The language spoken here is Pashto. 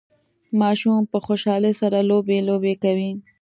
ماشوم په خوشحالۍ سره لوبي لوبې کوي